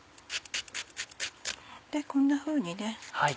こんなふうに。